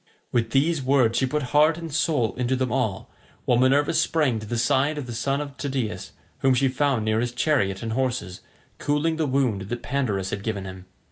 With these words she put heart and soul into them all, while Minerva sprang to the side of the son of Tydeus, whom she found near his chariot and horses, cooling the wound that Pandarus had given him.